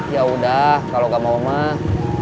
yaudah kalau gak mau mah